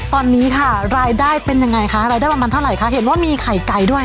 ตอนนี้ค่ะรายได้เป็นยังไงคะรายได้ประมาณเท่าไหร่คะเห็นว่ามีไข่ไก่ด้วย